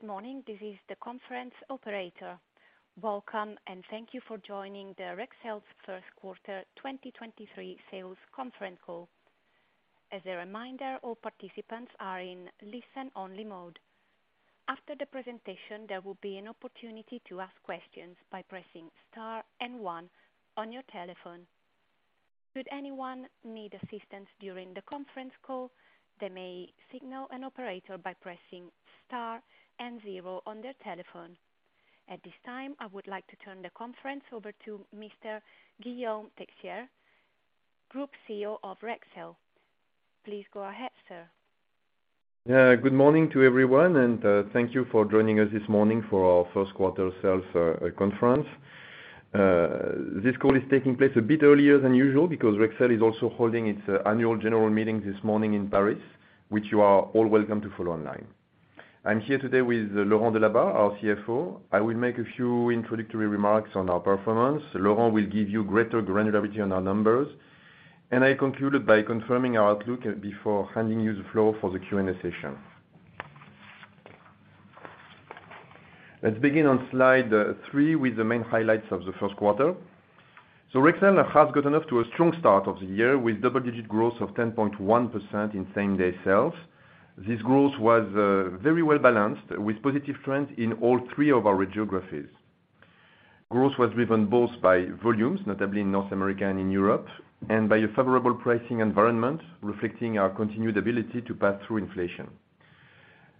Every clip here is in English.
Good morning. This is the conference operator. Welcome and thank you for joining the Rexel's First Quarter 2023 Sales Conference Call. As a reminder, all participants are in listen-only mode. After the presentation, there will be an opportunity to ask questions by pressing star and one on your telephone. Should anyone need assistance during the conference call, they may signal an operator by pressing star and zero on their telephone. At this time, I would like to turn the conference over to Mr. Guillaume Texier, Group CEO of Rexel. Please go ahead, sir. Good morning to everyone, and thank you for joining us this morning for our first quarter sales conference. This call is taking place a bit earlier than usual because Rexel is also holding its annual general meeting this morning in Paris, which you are all welcome to follow online. I'm here today with Laurent Delabarre, our CFO. I will make a few introductory remarks on our performance. Laurent will give you greater granularity on our numbers, and I conclude by confirming our outlook before handing you the floor for the Q&A session. Let's begin on slide three with the main highlights of the first quarter. Rexel has gotten off to a strong start of the year with double-digit growth of 10.1% in same-day sales. This growth was very well-balanced, with positive trends in all three of our geographies. Growth was driven both by volumes, notably in North America and in Europe, and by a favorable pricing environment reflecting our continued ability to pass through inflation.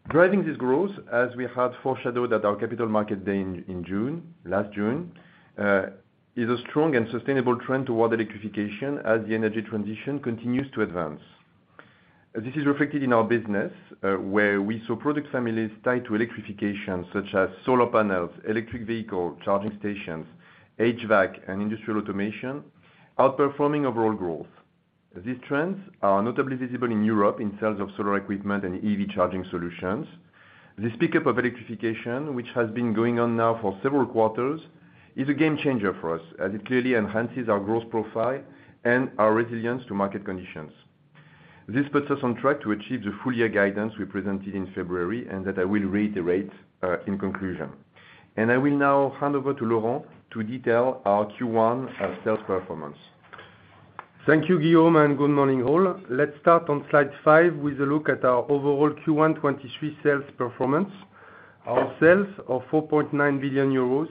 Driving this growth, as we had foreshadowed at our Capital Markets Day in June, last June, is a strong and sustainable trend toward electrification as the energy transition continues to advance. This is reflected in our business, where we saw product families tied to electrification, such as solar panels, electric vehicle charging stations, HVAC, and industrial automation outperforming overall growth. These trends are notably visible in Europe in sales of solar equipment and EV charging solutions. This pickup of electrification, which has been going on now for several quarters, is a game changer for us, as it clearly enhances our growth profile and our resilience to market conditions. This puts us on track to achieve the full year guidance we presented in February and that I will reiterate in conclusion. I will now hand over to Laurent to detail our Q1 sales performance. Thank you, Guillaume, and good morning all. Let's start on slide five with a look at our overall Q1 2023 sales performance. Our sales of 4.9 billion euros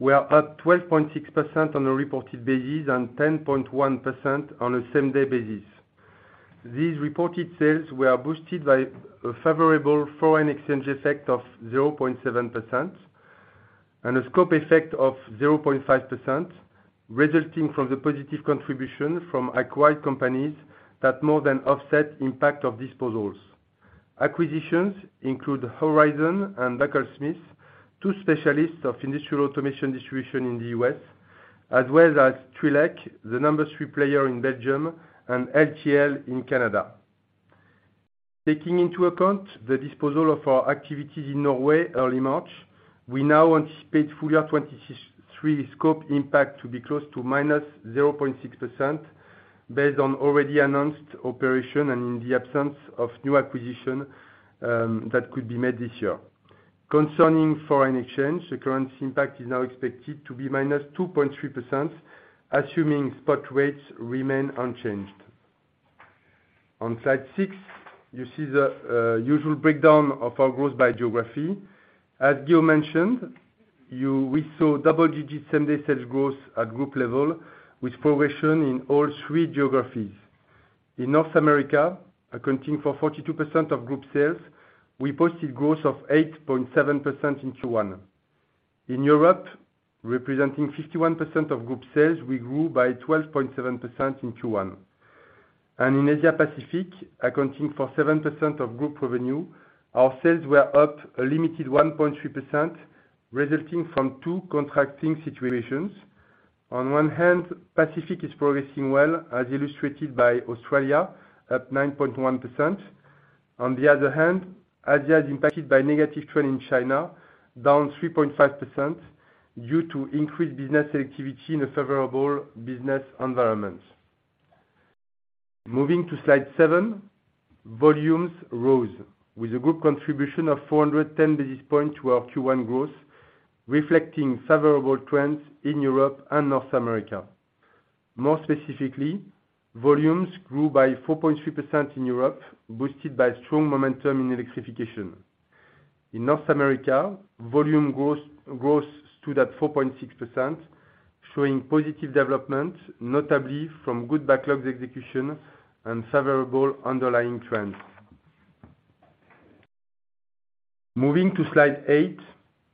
were up 12.6% on a reported basis and 10.1% on a same-day basis. These reported sales were boosted by a favorable foreign exchange effect of 0.7% and a scope effect of 0.5%, resulting from the positive contribution from acquired companies that more than offset impact of disposals. Acquisitions include Horizon and Buckles-Smith, two specialists of industrial automation distribution in the U.S., as well as Trilec, the number three player in Belgium, and LTL in Canada. Taking into account the disposal of our activities in Norway early March, we now anticipate full year 2023 scope impact to be close to minus 0.6% based on already announced operation and in the absence of new acquisition that could be made this year. Concerning foreign exchange, the current impact is now expected to be minus 2.3%, assuming spot rates remain unchanged. On slide six, you see the usual breakdown of our growth by geography. As Guillaume mentioned, we saw double-digit same-day sales growth at group level with progression in all three geographies. In North America, accounting for 42% of group sales, we posted growth of 8.7% in Q1. In Europe, representing 51% of group sales, we grew by 12.7% in Q1. In Asia-Pacific, accounting for 7% of group revenue, our sales were up a limited 1.3%, resulting from two contracting situations. On one hand, Pacific is progressing well, as illustrated by Australia at 9.1%. On the other hand, Asia is impacted by negative trend in China, down 3.5% due to increased business activity in a favorable business environment. Moving to Slide seven, volumes rose with a group contribution of 410 basis points to our Q1 growth, reflecting favorable trends in Europe and North America. More specifically, volumes grew by 4.3% in Europe, boosted by strong momentum in electrification. In North America, volume gross-growth stood at 4.6%, showing positive development, notably from good backlogs execution and favorable underlying trends. Moving to slide eight,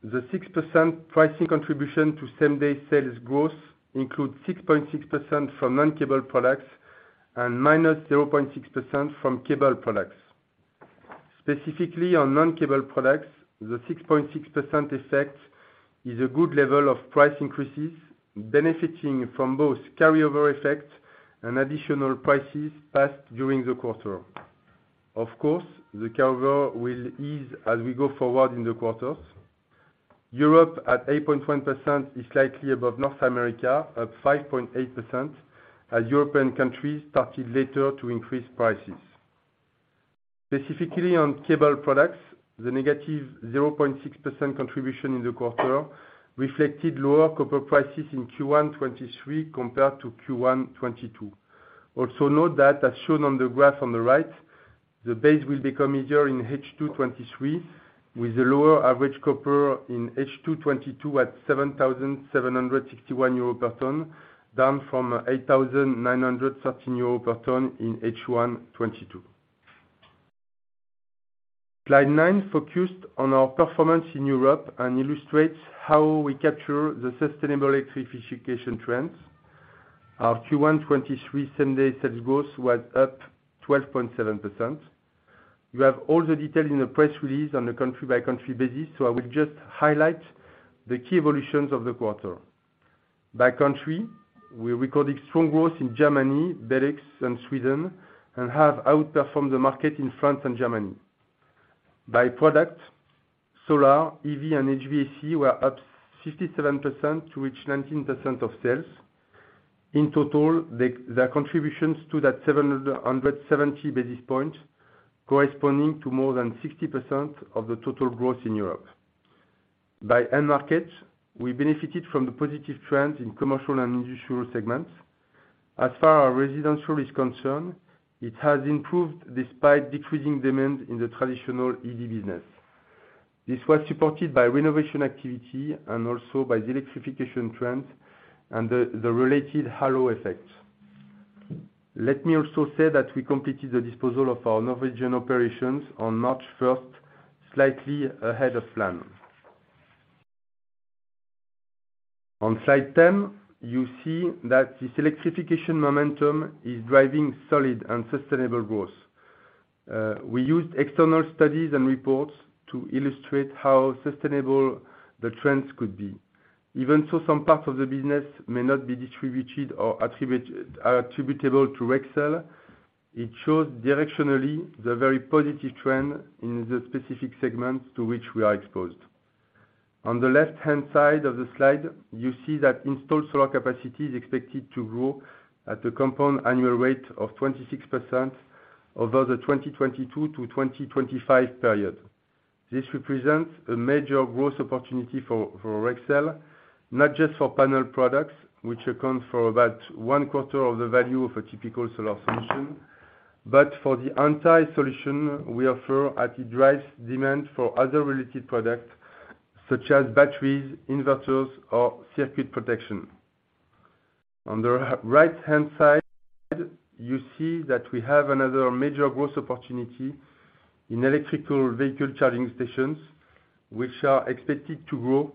the 6% pricing contribution to same-day sales growth includes 6.6% for non-cable products and -0.6% from cable products. Specifically on non-cable products, the 6.6% effect is a good level of price increases, benefiting from both carryover effect and additional prices passed during the quarter. Of course, the carryover will ease as we go forward in the quarters. Europe at 8.1% is slightly above North America, at 5.8%, as European countries started later to increase prices. Specifically on cable products, the -0.6% contribution in the quarter reflected lower copper prices in Q1 2023 compared to Q1 2022. Note that as shown on the graph on the right, the base will become easier in H2 2023, with a lower average copper in H2 2022 at 7,761 euro per ton, down from 8,913 euro per ton in H1 2022. Slide nine focused on our performance in Europe and illustrates how we capture the sustainable electrification trends. Our Q1 2023 same-day sales growth was up 12.7%. You have all the detail in the press release on a country-by-country basis, so I will just highlight the key evolutions of the quarter. By country, we recorded strong growth in Germany, Benelux, and Sweden, and have outperformed the market in France and Germany. By product, solar, EV, and HVAC were up 57% to reach 19% of sales. In total, their contributions to that 770 basis points corresponding to more than 60% of the total growth in Europe. By end market, we benefited from the positive trends in commercial and industrial segments. As far our residential is concerned, it has improved despite decreasing demand in the traditional EV business. This was supported by renovation activity and also by the electrification trend and the related halo effect. Let me also say that we completed the disposal of our Norwegian operations on March first, slightly ahead of plan. On slide 10, you see that this electrification momentum is driving solid and sustainable growth. We used external studies and reports to illustrate how sustainable the trends could be. Even so, some parts of the business may not be distributed or attributable to Rexel. It shows directionally the very positive trend in the specific segments to which we are exposed. On the left-hand side of the slide, you see that installed solar capacity is expected to grow at a compound annual rate of 26% over the 2022 to 2025 period. This represents a major growth opportunity for Rexel, not just for panel products, which account for about one quarter of the value of a typical solar solution, but for the entire solution we offer as it drives demand for other related products such as batteries, inverters, or circuit protection. On the right-hand side, you see that we have another major growth opportunity in electrical vehicle charging stations, which are expected to grow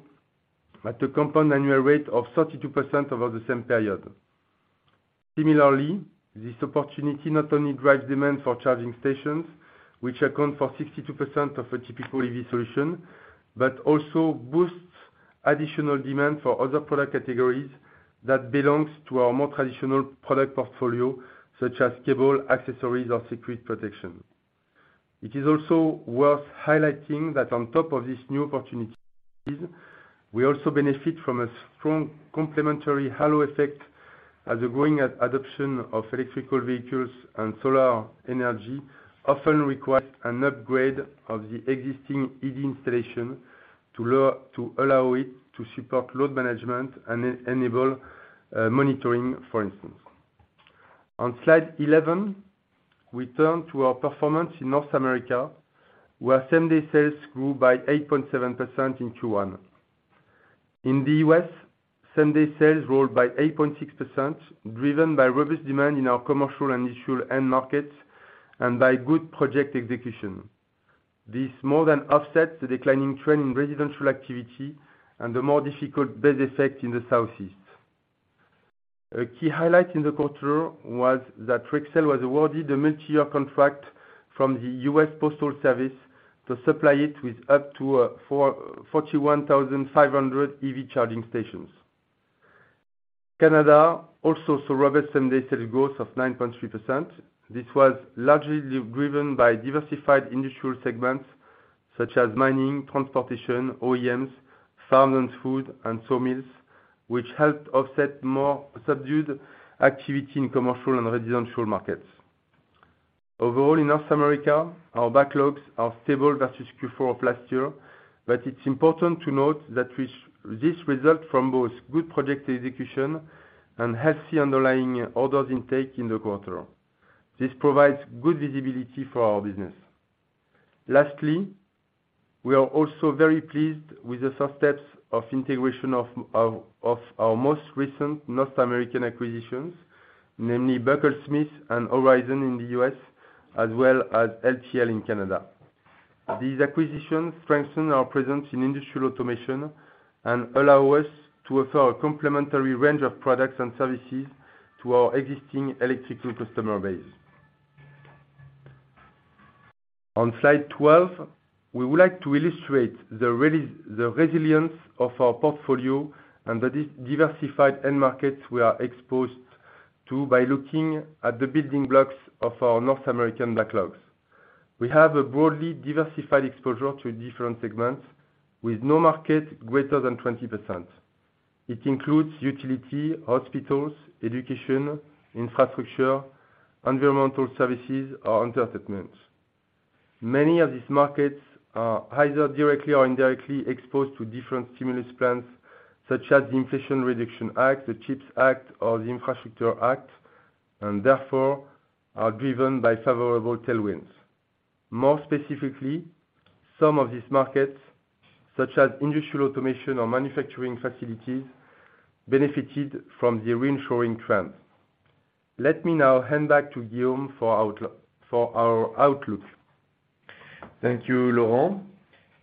at a compound annual rate of 32% over the same period. Similarly, this opportunity not only drives demand for charging stations, which account for 62% of a typical EV solution, but also boosts additional demand for other product categories that belongs to our more traditional product portfolio, such as cable accessories or circuit protection. It is also worth highlighting that on top of these new opportunities, we also benefit from a strong complementary halo effect as a growing adoption of electrical vehicles and solar energy often requires an upgrade of the existing EV installation to allow it to support load management and enable monitoring, for instance. On slide 11, we turn to our performance in North America, where same-day sales grew by 8.7% in Q1. In the U.S., same-day sales rolled by 8.6%, driven by robust demand in our commercial and industrial end markets and by good project execution. This more than offsets the declining trend in residential activity and the more difficult base effect in the Southeast. A key highlight in the quarter was that Rexel was awarded a multi-year contract from the U.S. Postal Service to supply it with up to 41,500 EV charging stations. Canada also saw robust same-day sales growth of 9.3%. This was largely driven by diversified industrial segments such as mining, transportation, OEMs, farms and food, and sawmills, which helped offset more subdued activity in commercial and residential markets. Overall, in North America, our backlogs are stable versus Q4 of last year, but it's important to note that this result from both good project execution and healthy underlying orders intake in the quarter. This provides good visibility for our business. Lastly, we are also very pleased with the first steps of integration of our most recent North American acquisitions, namely Buckles-Smith and Horizon in the U.S., as well as LTL in Canada. These acquisitions strengthen our presence in industrial automation and allow us to offer a complementary range of products and services to our existing electrical customer base. On slide 12, we would like to illustrate the resilience of our portfolio and the diversified end markets we are exposed to by looking at the building blocks of our North American backlogs. We have a broadly diversified exposure to different segments with no market greater than 20%. It includes utility, hospitals, education, infrastructure, environmental services or entertainment. Many of these markets are either directly or indirectly exposed to different stimulus plans such as the Inflation Reduction Act, the CHIPS Act, or the Infrastructure Act, therefore are driven by favorable tailwinds. More specifically, some of these markets, such as industrial automation or manufacturing facilities, benefited from the onshoring trends. Let me now hand back to Guillaume for our outlook. Thank you, Laurent.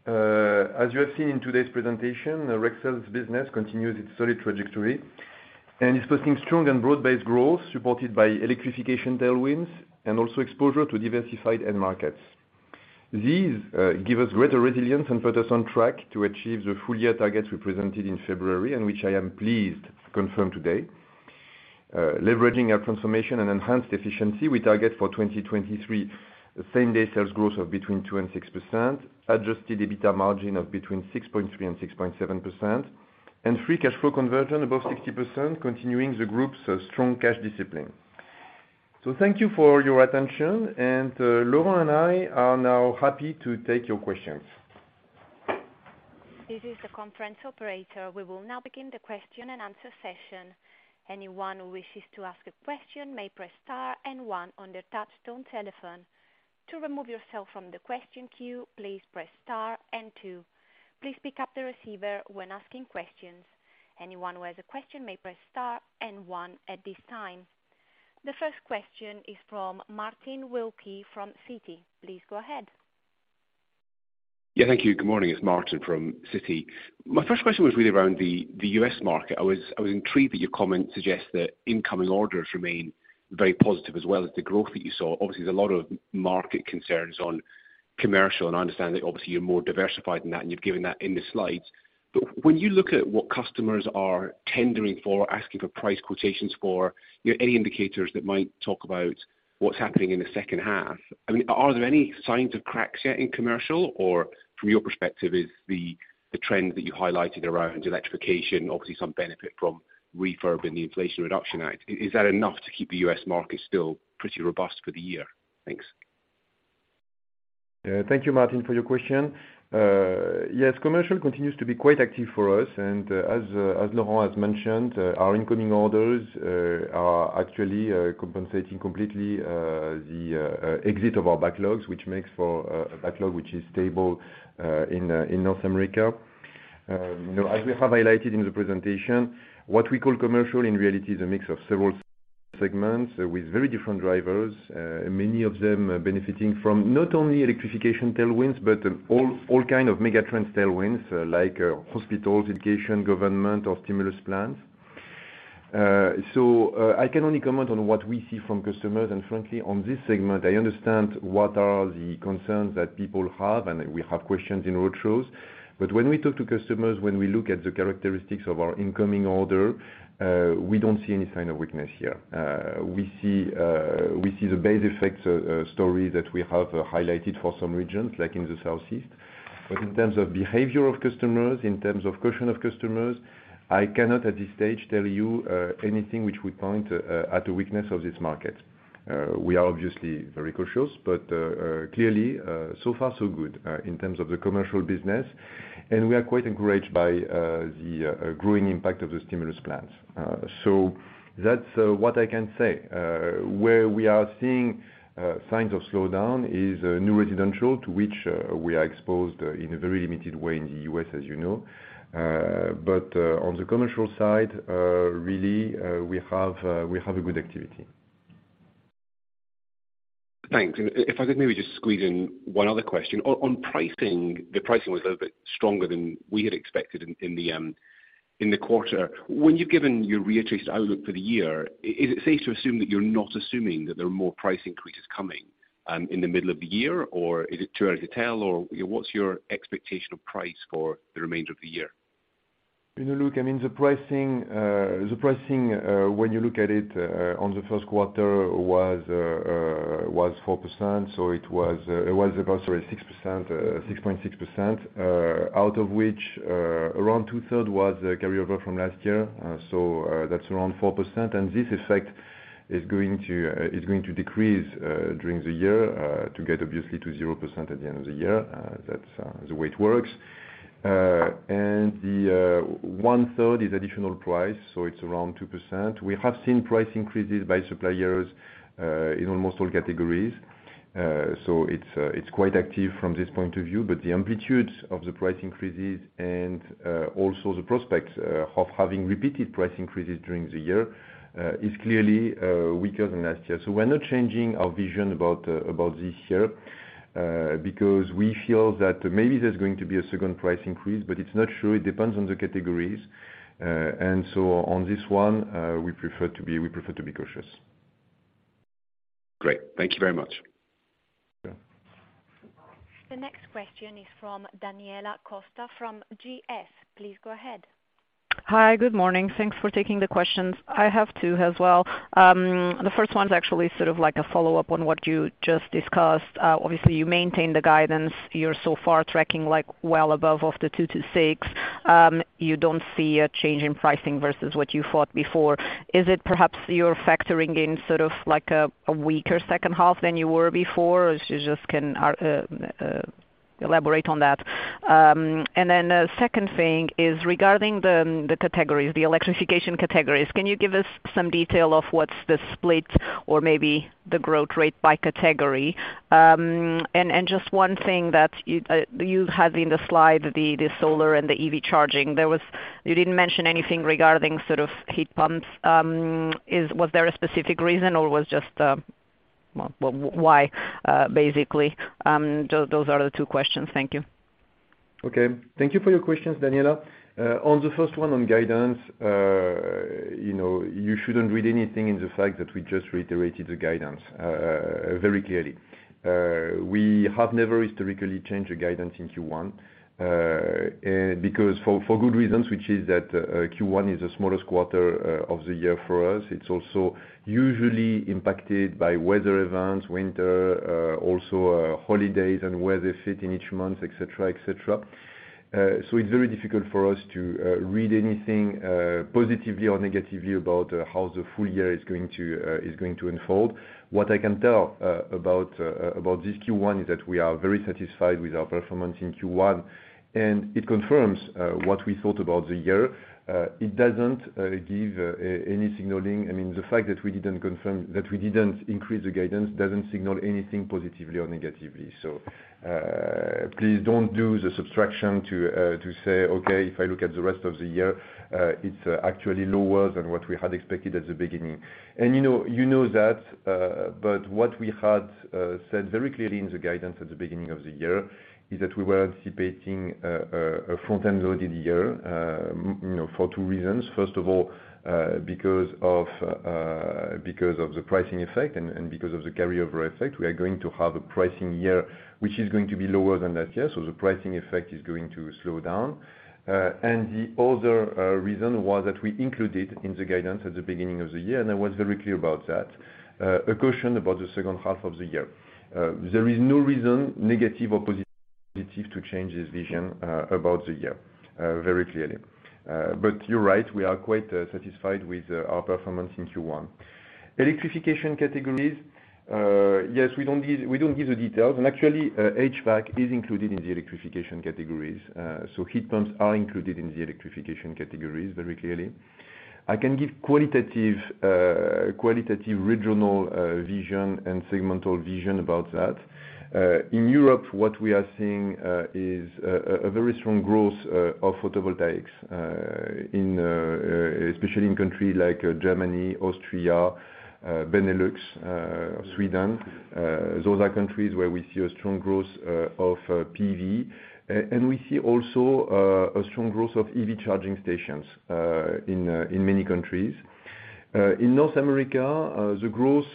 As you have seen in today's presentation, Rexel's business continues its solid trajectory and is posting strong and broad-based growth supported by electrification tailwinds and also exposure to diversified end markets. These give us greater resilience and put us on track to achieve the full year targets we presented in February, and which I am pleased to confirm today. Leveraging our transformation and enhanced efficiency, we target for 2023 same-day sales growth of between 2% and 6%, Adjusted EBITDA margin of between 6.3% and 6.7%, and free cash flow conversion above 60%, continuing the group's strong cash discipline. Thank you for your attention and Laurent and I are now happy to take your questions. This is the conference operator. We will now begin the question and answer session. Anyone who wishes to ask a question may press star and one on their touchtone telephone. To remove yourself from the question queue, please press star and two. Please pick up the receiver when asking questions. Anyone who has a question may press star and one at this time. The first question is from Martin Wilkie from Citi. Please go ahead. Yeah, thank you. Good morning. It's Martin from Citi. My first question was really around the U.S. market. I was intrigued that your comment suggests that incoming orders remain very positive as well as the growth that you saw. Obviously, there's a lot of market concerns on commercial, and I understand that obviously you're more diversified than that, and you've given that in the slides. When you look at what customers are tendering for, asking for price quotations for, are there any indicators that might talk about what's happening in the second half? I mean, are there any signs of cracks yet in commercial? Or from your perspective, is the trend that you highlighted around electrification, obviously some benefit from refurb in the Inflation Reduction Act, is that enough to keep the U.S. market still pretty robust for the year? Thanks. Thank you, Martin, for your question. Yes, commercial continues to be quite active for us and, as Laurent has mentioned, our incoming orders are actually compensating completely the exit of our backlogs, which makes for a backlog which is stable in North America. You know, as we have highlighted in the presentation, what we call commercial in reality is a mix of several segments with very different drivers, many of them benefiting from not only electrification tailwinds, but all kind of megatrend tailwinds, like hospitals, education, government or stimulus plans. I can only comment on what we see from customers, and frankly, on this segment, I understand what are the concerns that people have, and we have questions in roadshows. When we talk to customers, when we look at the characteristics of our incoming order, we don't see any sign of weakness here. We see, we see the base effects story that we have highlighted for some regions, like in the Southeast, but in terms of behavior of customers, in terms of caution of customers, I cannot at this stage tell you anything which would point at a weakness of this market. We are obviously very cautious, but clearly, so far so good, in terms of the commercial business, and we are quite encouraged by the growing impact of the stimulus plans. So that's what I can say. Where we are seeing signs of slowdown is new residential to which we are exposed in a very limited way in the U.S., as you know, but on the commercial side, really, we have a good activity. Thanks. If I could maybe just squeeze in one other question. On pricing, the pricing was a little bit stronger than we had expected in the quarter. When you've given your reiterated outlook for the year, is it safe to assume that you're not assuming that there are more price increases coming in the middle of the year? Is it too early to tell? What's your expectation of price for the remainder of the year? You know, look, I mean, the pricing, when you look at it, on the first quarter was 4%, so it was about, sorry, 6%, 6.6%, out of which around 2/3 was carryover from last year. So that's around 4% and this effect is going to decrease during the year to get obviously to 0% at the end of the year. That's the way it works. The 1/3 is additional price, so it's around 2%. We have seen price increases by suppliers in almost all categories. It's quite active from this point of view, but the amplitudes of the price increases and also the prospects of having repeated price increases during the year is clearly weaker than last year. We're not changing our vision about this year because we feel that maybe there's going to be a second price increase, but it's not sure. It depends on the categories and so on this one, we prefer to be cautious. Great. Thank you very much. Yeah. The next question is from Daniela Costa from Goldman Sachs. Please go ahead. Hi, good morning. Thanks for taking the questions. I have two as well. The first one's actually sort of like a follow-up on what you just discussed. Obviously you maintained the guidance. You're so far tracking like well above of the 2 to 6. You don't see a change in pricing versus what you thought before. Is it perhaps you're factoring in sort of like a weaker second half than you were before? If you just can elaborate on that. Then the second thing is regarding the categories, the electrification categories, can you give us some detail of what's the split or maybe the growth rate by category? And just one thing that you had in the slide, the solar and the EV charging, there was. You didn't mention anything regarding sort of heat pumps. Is, was there a specific reason, or was just, why, basically? Those are the two questions. Thank you. Okay, thank you for your questions, Daniela. On the first one on guidance, you know, you shouldn't read anything in the fact that we just reiterated the guidance very clearly. We have never historically changed the guidance in Q1 because for good reasons, which is that Q1 is the smallest quarter of the year for us. It's also usually impacted by weather events, winter, also holidays and where they fit in each month, et cetera, et cetera. It's very difficult for us to read anything positively or negatively about how the full year is going to unfold. What I can tell about this Q1 is that we are very satisfied with our performance in Q1, and it confirms what we thought about the year. It doesn't give any signaling. I mean, the fact that we didn't confirm, that we didn't increase the guidance doesn't signal anything positively or negatively. So, please don't do the subtraction to say, "Okay, if I look at the rest of the year, it's actually lower than what we had expected at the beginning." You know, you know that, but what we had said very clearly in the guidance at the beginning of the year is that we were anticipating a front-end load in the year, you know, for two reasons. First of all, because of the pricing effect and because of the carryover effect, we are going to have a pricing year which is going to be lower than last year, so the pricing effect is going to slow down. And the other reason was that we included in the guidance at the beginning of the year, and I was very clear about that, a caution about the second half of the year. There is no reason, negative or positive, to change this vision about the year, very clearly, but you're right, we are quite satisfied with our performance in Q1. Electrification categories, yes, we don't give the details and actually, HVAC is included in the electrification categories, so heat pumps are included in the electrification categories very clearly. I can give qualitative regional vision and segmental vision about that. In Europe, what we are seeing is a very strong growth of photovoltaics, especially in country like Germany, Austria, Benelux, Sweden. Those are countries where we see a strong growth of PV and we see also a strong growth of EV charging stations in many countries. In North America, the growth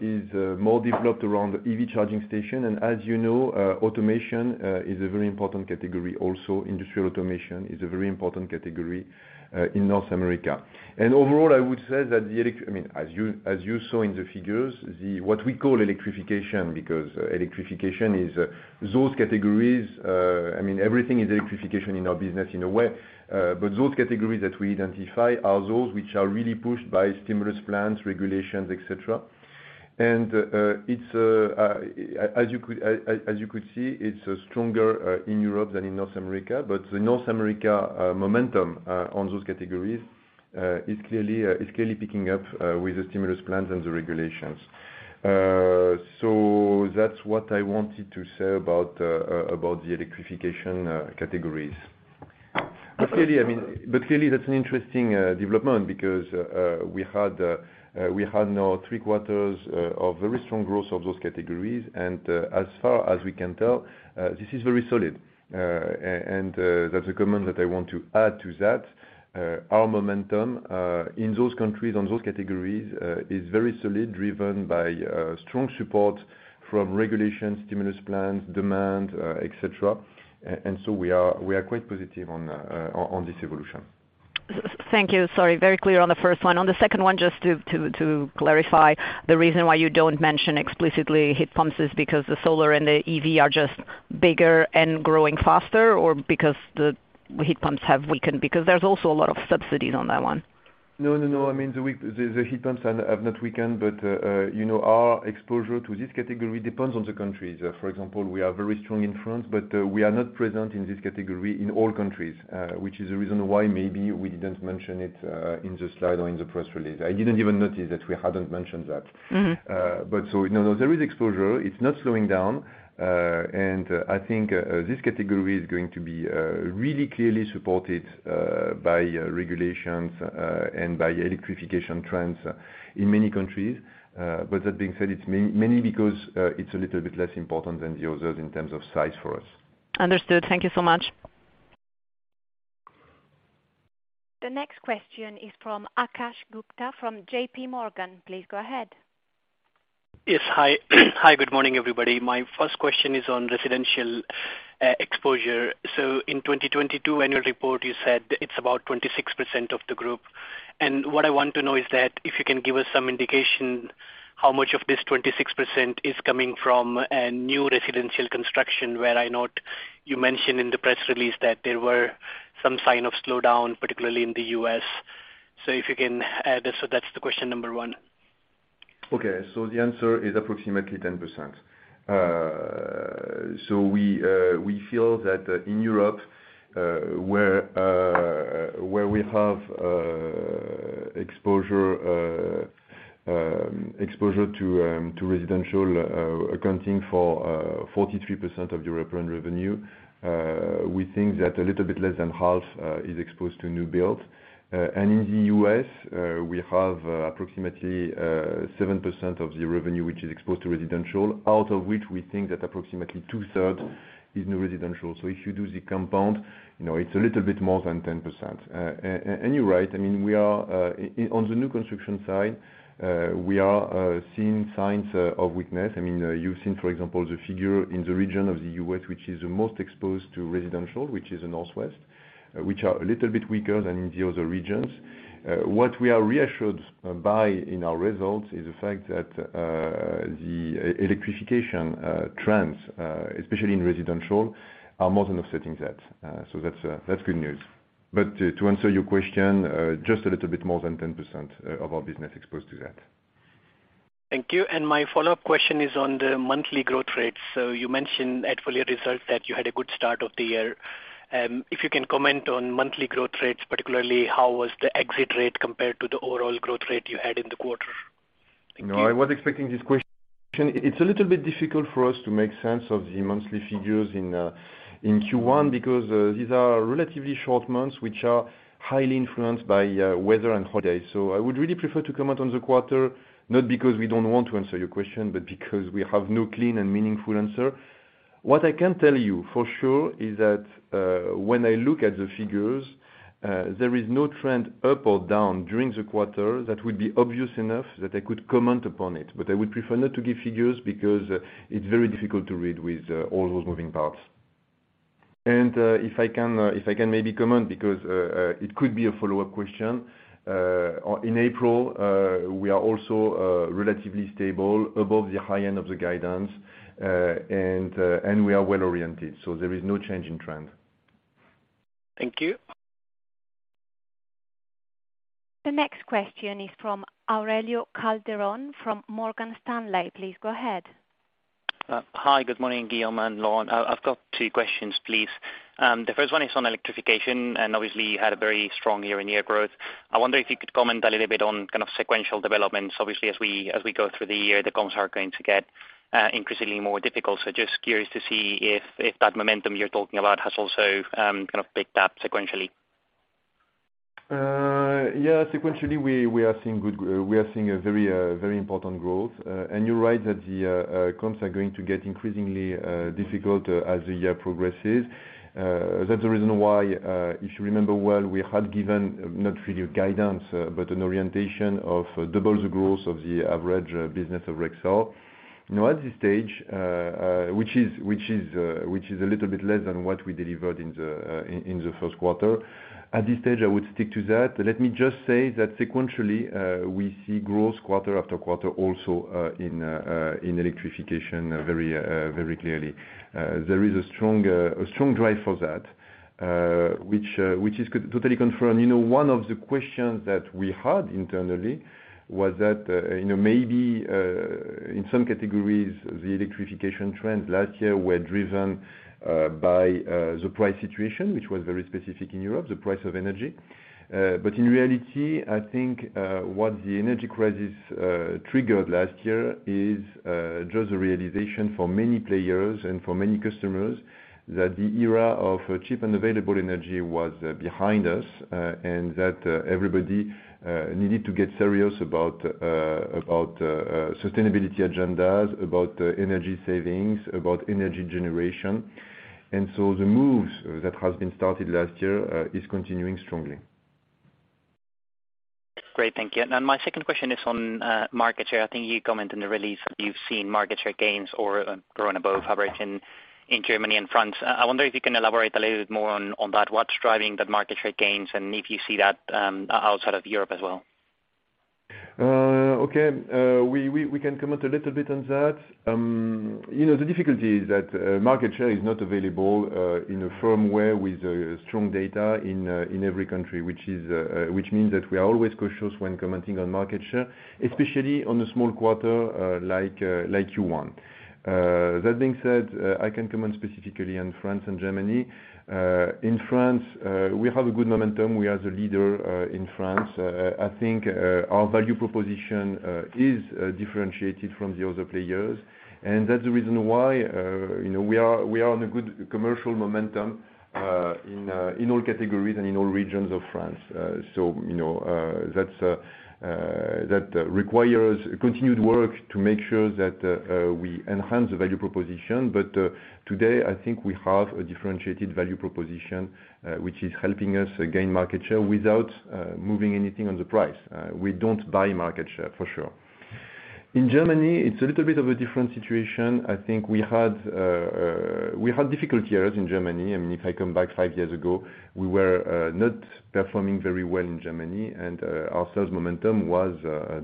is more developed around EV charging station and as you know, automation is a very important category also. Industrial automation is a very important category in North America. Overall, I would say that I mean, as you saw in the figures, what we call electrification because electrification is those categories. I mean, everything is electrification in our business in a way, but those categories that we identify are those which are really pushed by stimulus plans, regulations, et cetera. It's, as you could see, it's stronger in Europe than in North America, but the North America momentum on those categories is clearly picking up with the stimulus plans and the regulations. So that's what I wanted to say about the electrification categories. Clearly, I mean, but clearly that's an interesting development because we had now three quarters of very strong growth of those categories. As far as we can tell, this is very solid and that's a comment that I want to add to that. Our momentum in those countries, on those categories, is very solid, driven by strong support from regulation, stimulus plans, demand, et cetera. So we are quite positive on this evolution. Thank you. Sorry. Very clear on the first one. On the second one, just to clarify, the reason why you don't mention explicitly heat pumps is because the solar and the EV are just bigger and growing faster, or because the heat pumps have weakened? Because there's also a lot of subsidies on that one. No, no, no. I mean, the heat pumps have not weakened, but you know, our exposure to this category depends on the countries. For example, we are very strong in France, but we are not present in this category in all countries, which is the reason why maybe we didn't mention it in the slide or in the press release. I didn't even notice that we hadn't mentioned that. Mm-hmm. No, no, there is exposure. It's not slowing down. I think, this category is going to be really clearly supported by regulations and by electrification trends in many countries, but that being said, it's mainly because, it's a little bit less important than the others in terms of size for us. Understood. Thank you so much. The next question is from Akash Gupta from JPMorgan. Please go ahead. Yes. Hi. Good morning, everybody. My first question is on residential exposure. In 2022 annual report, you said it's about 26% of the group and what I want to know is if you can give us some indication how much of this 26% is coming from a new residential construction, where I note you mentioned in the press release that there were some sign of slowdown, particularly in the U.S. So If you can add. That's the question number one. Okay, the answer is approximately 10%. We feel that in Europe, where we have exposure to residential, accounting for 43% of European revenue, we think that a little bit less than half is exposed to new builds. In the U.S., we have approximately 7% of the revenue, which is exposed to residential, out of which we think that approximately two-thirds is new residential. If you do the compound, you know, it's a little bit more than 10%. And you're right, I mean, we are, on the new construction side, we are seeing signs of weakness. I mean, you've seen, for example, the figure in the region of the U.S., which is the most exposed to residential, which is the Northwest, which are a little bit weaker than in the other regions. What we are reassured by in our results is the fact that the electrification trends, especially in residential, are more than offsetting that. So that's good news. But to answer your question, just a little bit more than 10% of our business exposed to that. Thank you. My follow-up question is on the monthly growth rates. You mentioned at full year results that you had a good start of the year. If you can comment on monthly growth rates, particularly how was the exit rate compared to the overall growth rate you had in the quarter? I was expecting this question. It's a little bit difficult for us to make sense of the monthly figures in Q1, because these are relatively short months, which are highly influenced by weather and holidays. I would really prefer to comment on the quarter, not because we don't want to answer your question, but because we have no clean and meaningful answer. What I can tell you for sure is that when I look at the figures, there is no trend up or down during the quarter that would be obvious enough that I could comment upon it, but I would prefer not to give figures, because it's very difficult to read with all those moving parts and If I can maybe comment because it could be a follow-up question. In April, we are also relatively stable above the high end of the guidance and we are well oriented, so there is no change in trend. Thank you. The next question is from Aurelio Calderon, from Morgan Stanley. Please go ahead. Hi. Good morning, Guillaume and Laurent. I've got two questions, please. The first one is on electrification. Obviously you had a very strong year-on-year growth. I wonder if you could comment a little bit on kind of sequential developments. Obviously, as we go through the year, the comps are going to get increasingly more difficult. So just curious to see if that momentum you're talking about has also kind of picked up sequentially. Yeah. Sequentially, we are seeing good. We are seeing a very, very important growth and you're right that the comps are going to get increasingly difficult as the year progresses. That's the reason why, if you remember well, we had given not really a guidance, but an orientation of double the growth of the average business of Rexel. Now at this stage, which is a little bit less than what we delivered in the first quarter. At this stage, I would stick to that. Let me just say that sequentially, we see growth quarter after quarter also in electrification very, very clearly. There is a strong drive for that, which is totally confirmed. You know, one of the questions that we had internally was that, you know, maybe in some categories, the electrification trends last year were driven by the price situation, which was very specific in Europe, the price of energy. But in reality, I think, what the energy crisis triggered last year is just a realization for many players and for many customers that the era of cheap and available energy was behind us, and that everybody needed to get serious about, about sustainability agendas, about energy savings, about energy generation and so the moves that has been started last year is continuing strongly. Great. Thank you. My second question is on market share. I think you comment in the release that you've seen market share gains or growing above average in Germany and France. I wonder if you can elaborate a little bit more on that. What's driving the market share gains, and if you see that outside of Europe as well? Okay. We can comment a little bit on that. You know, the difficulty is that market share is not available in a firm way with strong data in every country, which is, which means that we are always cautious when commenting on market share, especially on a small quarter, like Q1. That being said, I can comment specifically on France and Germany. In France, we have a good momentum. We are the leader in France. I think, our value proposition is differentiated from the other players, and that's the reason why, you know, we are on a good commercial momentum in all categories and in all regions of France. So, you know, that requires continued work to make sure that we enhance the value proposition, but today, I think we have a differentiated value proposition, which is helping us gain market share without moving anything on the price. We don't buy market share for sure. In Germany, it's a little bit of a different situation. I think we had difficult years in Germany. I mean, if I come back five years ago, we were not performing very well in Germany, and our sales momentum was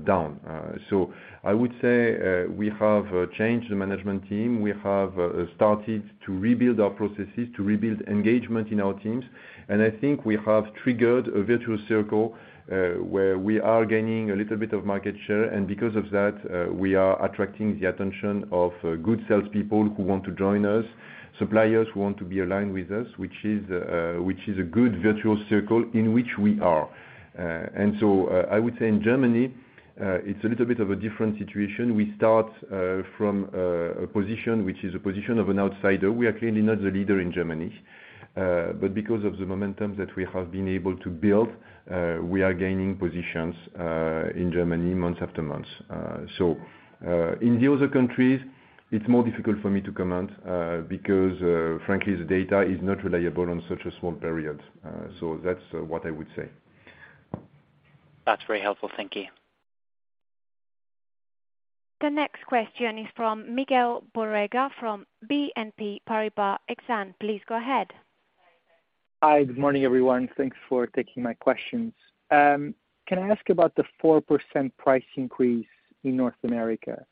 down. So, I would say, we have changed the management team. We have started to rebuild our processes, to rebuild engagement in our teams. I think we have triggered a virtual circle, where we are gaining a little bit of market share and because of that, we are attracting the attention of good salespeople who want to join us, suppliers who want to be aligned with us, which is a good virtual circle in which we are and so I would say in Germany, it's a little bit of a different situation. We start from a position which is a position of an outsider. We are clearly not the leader in Germany, but because of the momentum that we have been able to build, we are gaining positions in Germany months after months. In the other countries, it's more difficult for me to comment, because, frankly, the data is not reliable on such a small period, so that's what I would say. That's very helpful. Thank you. The next question is from Miguel Borrega from BNP Paribas Exane. Please go ahead. Hi. Good morning, everyone. Thanks for taking my questions. Can I ask about the 4% price increase in North America?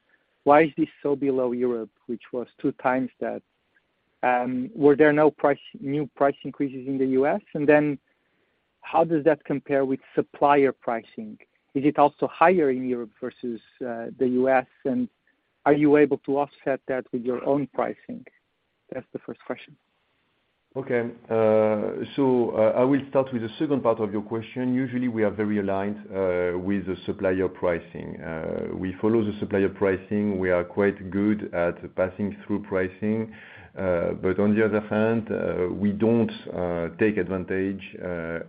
Why is this so below Europe, which was two times that? Were there new price increases in the U.S.? And then how does that compare with supplier pricing? Is it also higher in Europe versus the U.S.? And are you able to offset that with your own pricing? That's the first question. Okay. I will start with the second part of your question. Usually we are very aligned with the supplier pricing. We follow the supplier pricing. We are quite good at passing through pricing, but on the other hand, we don't take advantage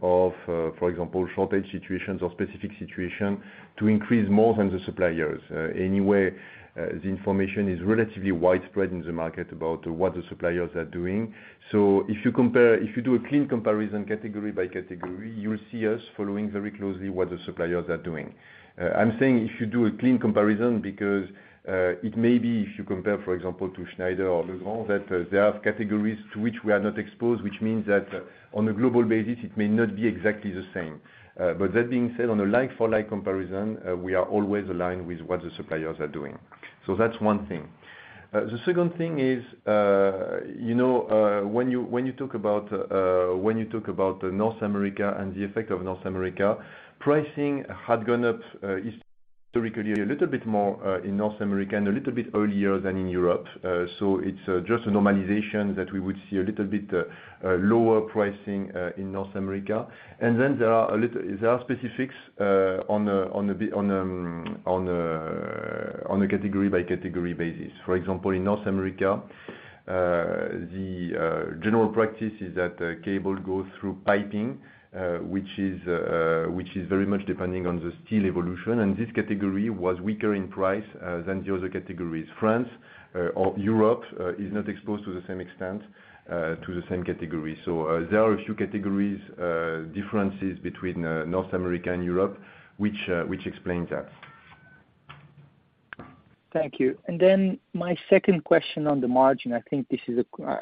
of, for example, shortage situations or specific situation to increase more than the suppliers. Anyway, the information is relatively widespread in the market about what the suppliers are doing. So if you compare, if you do a clean comparison category by category, you'll see us following very closely what the suppliers are doing. I'm saying if you do a clean comparison, because, it may be if you compare, for example, to Schneider or Legrand, that, they have categories to which we are not exposed, which means that on a global basis it may not be exactly the same, but that being said, on a like-for-like comparison, we are always aligned with what the suppliers are doing. So that's one thing. The second thing is, you know, when you talk about North America and the effect of North America, pricing had gone up historically a little bit more in North America and a little bit earlier than in Europe, so it's just a normalization that we would see a little bit lower pricing in North America. Then there are a little... There are specifics on a category by category basis. For example, in North America, the general practice is that the cable goes through piping, which is very much depending on the steel evolution, and this category was weaker in price than the other categories. France, or Europe, is not exposed to the same extent to the same category. There are a few categories differences between North America and Europe, which explains that. Thank you. Then, my second question on the margin, I think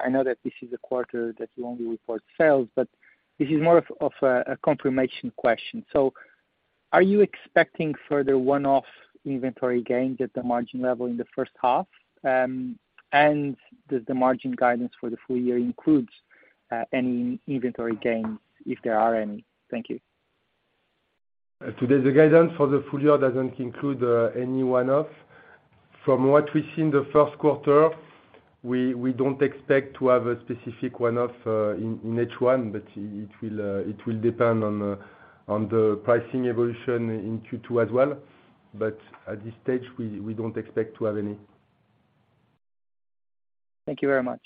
I know that this is a quarter that you only report sales, but this is more of a confirmation question. So, are you expecting further one-off inventory gains at the margin level in the first half? And does the margin guidance for the full year includes any inventory gains, if there are any? Thank you. The guidance for the full year doesn't include any one-off. From what we see in the first quarter, we don't expect to have a specific one-off in H1, but it will depend on the pricing evolution in Q2 as well, but at this stage, we don't expect to have any. Thank you very much.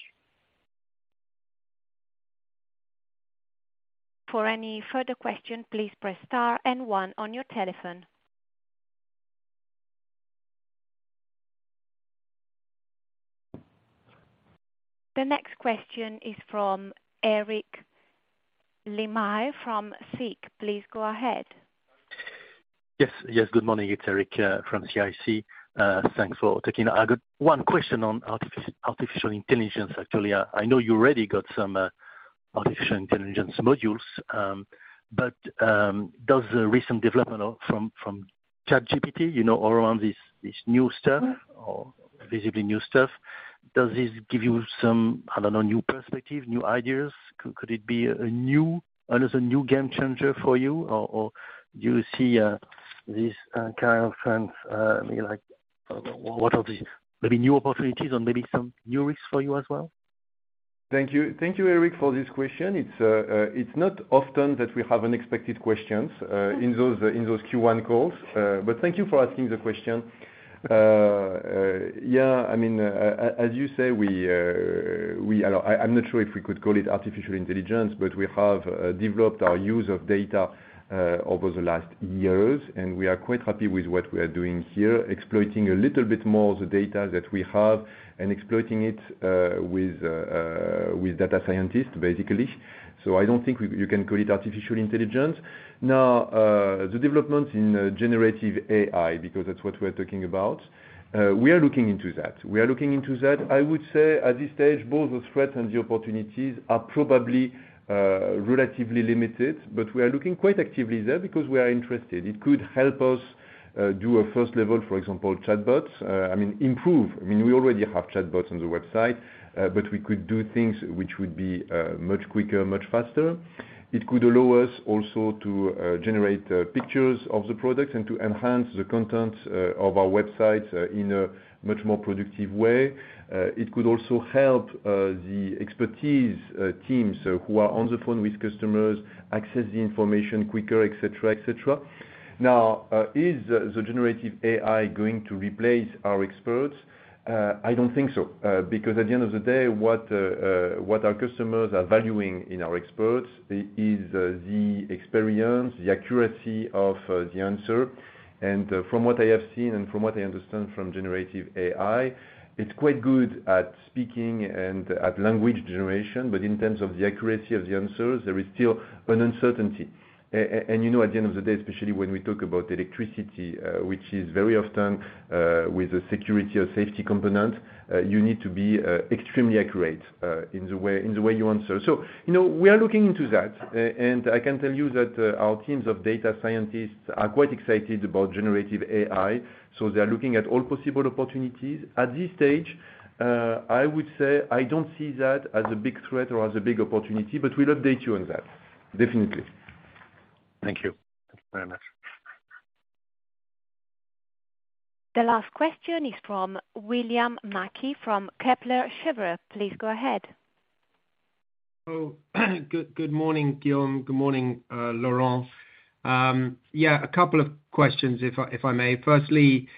For any further question, please press star and one on your telephone. The next question is from Eric Lemarié from CIC. Please go ahead. Yes. Yes, good morning. It's Eric from CIC. Thanks for taking. I got one question on artificial intelligence, actually. I know you already got some artificial intelligence modules, but does the recent development from ChatGPT, you know, all around this new stuff or visibly new stuff, does this give you some, I don't know, new perspective, new ideas? Could it be a new, another new game changer for you? Or do you see this kind of trend, like, what are the maybe new opportunities or maybe some new risks for you as well? Thank you. Thank you, Eric, for this question. It's not often that we have unexpected questions in those Q1 calls, but thank you for asking the question. Yeah. I mean, as you say, we, I'm not sure if we could call it artificial intelligence, but we have developed our use of data over the last years, and we are quite happy with what we are doing here, exploiting a little bit more the data that we have and exploiting it with data scientists, basically. So, I don't think you can call it artificial intelligence. Now, the development in generative AI, because that's what we're talking about, we are looking into that. We are looking into that. I would say at this stage, both the threats and the opportunities are probably relatively limited, but we are looking quite actively there because we are interested. It could help us do a first level, for example, chatbots. I mean, improve. I mean, we already have chatbots on the website, but we could do things which would be much quicker, much faster. It could allow us also to generate pictures of the products and to enhance the content of our website in a much more productive way. It could also help the expertise teams who are on the phone with customers access the information quicker, et cetera, et cetera. Now, is the generative AI going to replace our experts? I don't think so, because at the end of the day, what our customers are valuing in our experts is the experience, the accuracy of the answer and from what I have seen and from what I understand from generative AI, it's quite good at speaking and at language generation. In terms of the accuracy of the answers, there is still an uncertainty. You know, at the end of the day, especially when we talk about electricity, which is very often with the security or safety component, you need to be extremely accurate in the way you answer. You know, we are looking into that. I can tell you that our teams of data scientists are quite excited about generative AI, so they are looking at all possible opportunities. At this stage, I would say I don't see that as a big threat or as a big opportunity, but we'll update you on that. Definitely. Thank you very much. The last question is from William Mackie from Kepler Cheuvreux. Please go ahead. Good morning, Guillaume. Good morning, Laurent. Yeah, a couple of questions if I may. Firstly,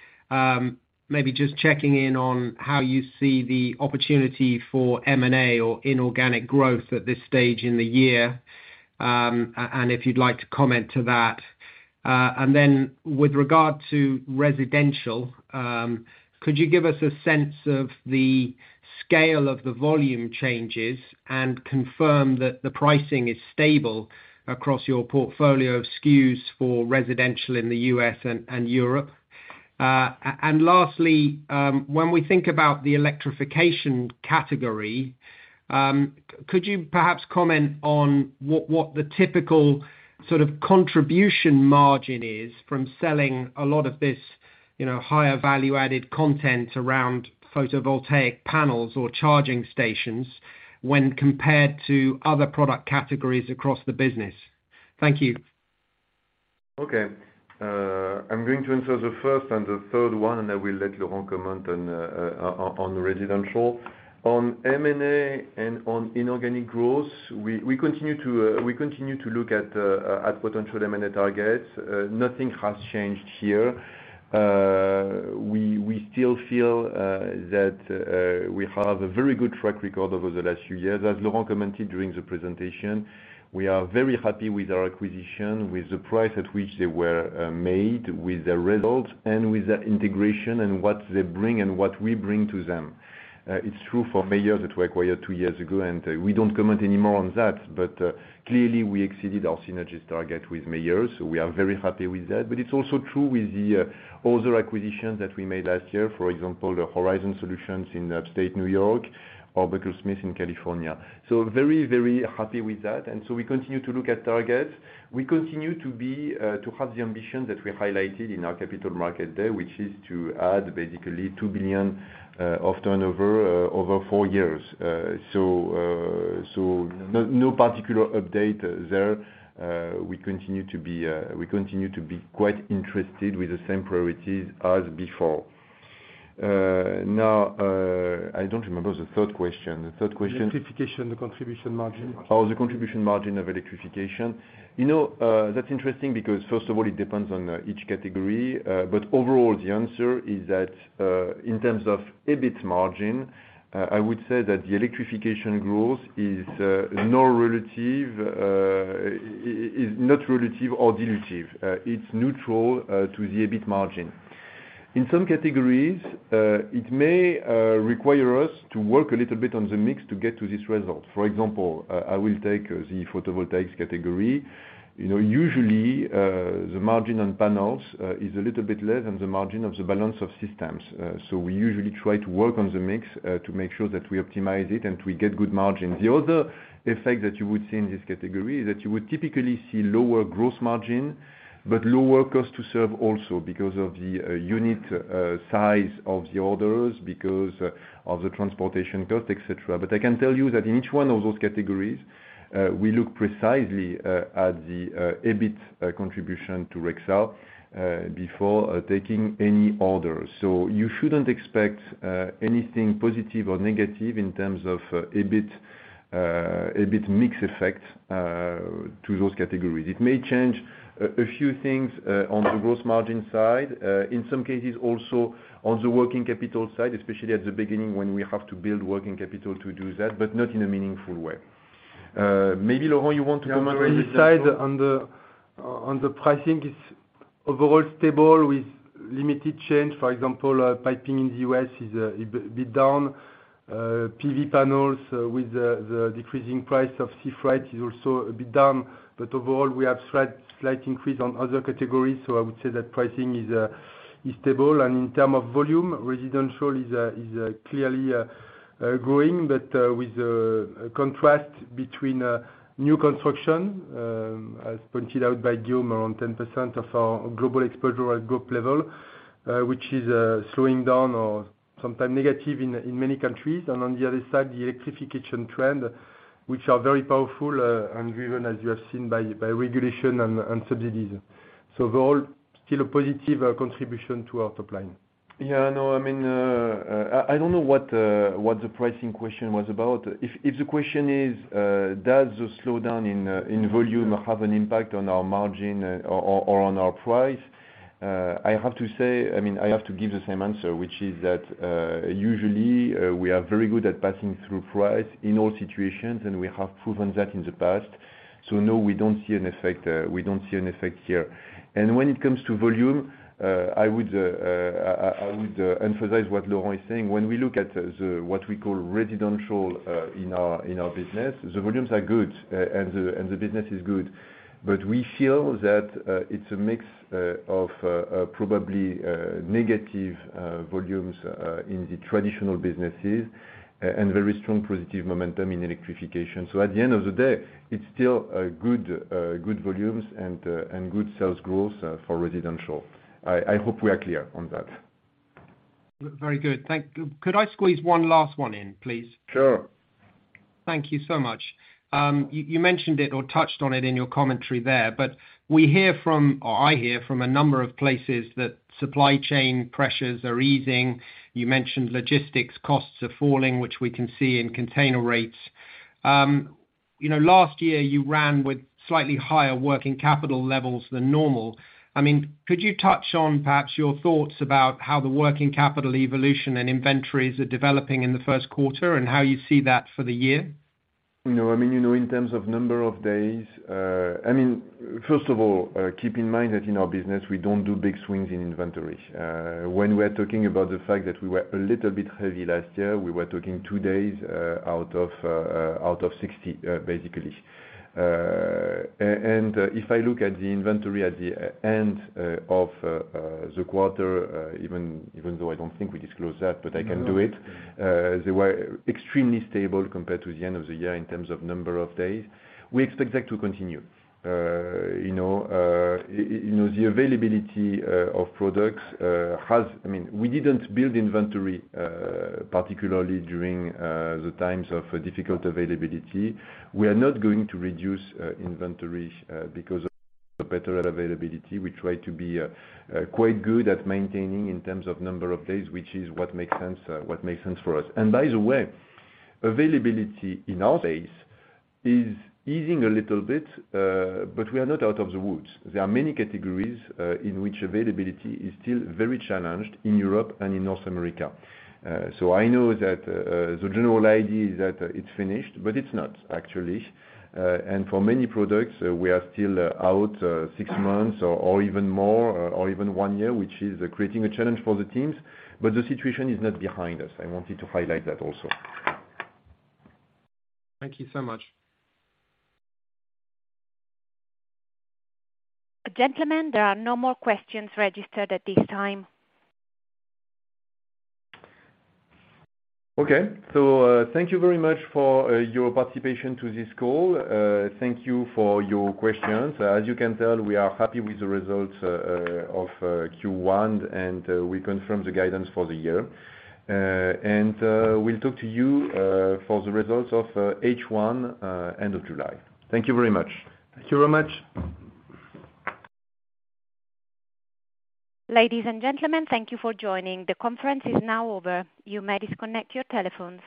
maybe just checking in on how you see the opportunity for M&A or inorganic growth at this stage in the year, and if you'd like to comment to that. Then with regard to residential, could you give us a sense of the scale of the volume changes and confirm that the pricing is stable across your portfolio of SKUs for residential in the U.S. and Europe? And lastly, when we think about the electrification category, could you perhaps comment on what the typical sort of contribution margin is from selling a lot of this, you know, higher value-added content around photovoltaic panels or charging stations when compared to other product categories across the business? Thank you. Okay. I'm going to answer the first and the third one and I will let Laurent comment on residential. On M&A and on inorganic growth, we continue to look at potential M&A targets. Nothing has changed here. We still feel that we have a very good track record over the last few years. As Laurent commented during the presentation, we are very happy with our acquisition, with the price at which they were made, with the results and with the integration and what they bring and what we bring to them. It's true for Mayer that we acquired two years ago and we don't comment anymore on that, but clearly we exceeded our synergies target with Mayer. We are very happy with that. It's also true with the other acquisitions that we made last year, for example, the Horizon Solutions in upstate New York or Buckles-Smith in California. So very, very happy with that. We continue to look at targets. We continue to have the ambition that we highlighted in our Capital Markets Day, which is to add basically 2 billion of turnover over four years. No particular update there. We continue to be quite interested with the same priorities as before. I don't remember the third question. The third question. Electrification, the contribution margin. Oh, the contribution margin of electrification. You know, that's interesting because first of all, it depends on each category. Overall, the answer is that, in terms of EBIT margin, I would say that the electrification growth is not relative or dilutive. It's neutral to the EBIT margin. In some categories, it may require us to work a little bit on the mix to get to this result. For example, I will take the photovoltaics category. You know, usually, the margin on panels is a little bit less than the margin of the balance of systems. So we usually try to work on the mix to make sure that we optimize it and we get good margins. The other effect that you would see in this category is that you would typically see lower gross margin, but lower cost to serve also because of the unit size of the orders, because of the transportation cost, et cetera. I can tell you that in each one of those categories, we look precisely at the EBIT contribution to Rexel before taking any orders. So you shouldn't expect anything positive or negative in terms of EBIT, EBIT mix effect to those categories. It may change a few things on the gross margin side, in some cases also on the working capital side, especially at the beginning when we have to build working capital to do that, but not in a meaningful way. Maybe, Laurent, you want to comment on this. ..side on the pricing? Overall stable with limited change. For example, piping in the U.S. is a bit down. PV panels with the decreasing price of sea freight is also a bit down, but overall, we have slight increase on other categories, so I would say that pricing is stable. In term of volume, residential is clearly growing, with a contrast between new construction, as pointed out by Guillaume, around 10% of our global exposure at group level, which is slowing down or sometime negative in many countries. On the other side, the electrification trend, which are very powerful, and driven, as you have seen by regulation and subsidies. Overall, still a positive contribution to our top line. Yeah, I know. I mean, I don't know what the pricing question was about. If the question is, does the slowdown in volume have an impact on our margin or on our price? I have to say. I mean, I have to give the same answer, which is that usually we are very good at passing through price in all situations, and we have proven that in the past. So no, we don't see an effect, we don't see an effect here. When it comes to volume, I would emphasize what Laurent is saying. When we look at what we call residential in our business, the volumes are good, and the business is good. But we feel that, it's a mix, of, probably, negative, volumes, in the traditional businesses and very strong positive momentum in electrification. At the end of the day, it's still a good volumes and good sales growth, for residential. I hope we are clear on that. Very good. Thank you. Could I squeeze one last one in, please? Sure. Thank you so much. You, you mentioned it or touched on it in your commentary there, but we hear from, or I hear from a number of places that supply chain pressures are easing. You mentioned logistics costs are falling, which we can see in container rates. You know, last year you ran with slightly higher working capital levels than normal. I mean, could you touch on perhaps your thoughts about how the working capital evolution and inventories are developing in the first quarter and how you see that for the year? You know, I mean, you know, in terms of number of days, I mean, first of all, keep in mind that in our business we don't do big swings in inventories. When we're talking about the fact that we were a little bit heavy last year, we were talking two days out of 60, basically. If I look at the inventory at the end of the quarter, even though I don't think we disclose that, but I can do it. No. They were extremely stable compared to the end of the year in terms of number of days. We expect that to continue. You know, the availability of products has... I mean, we didn't build inventory particularly during the times of difficult availability. We are not going to reduce inventory because of the better availability. We try to be quite good at maintaining in terms of number of days, which is what makes sense, what makes sense for us. By the way, availability in our space is easing a little bit, but we are not out of the woods. There are many categories in which availability is still very challenged in Europe and in North America. I know that the general idea is that it's finished, but it's not actually. For many products, we are still out six months or even more, or even one year, which is creating a challenge for the teams, but the situation is not behind us. I wanted to highlight that also. Thank you so much. Gentlemen, there are no more questions registered at this time. Okay. Thank you very much for your participation to this call. Thank you for your questions. As you can tell, we are happy with the results of Q1, and we confirm the guidance for the year. We'll talk to you for the results of H1 end of July. Thank you very much. Ladies and gentlemen, thank you for joining. The conference is now over. You may disconnect your telephones.